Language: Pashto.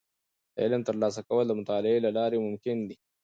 د علم ترلاسه کول د مطالعې له لارې ممکن دي.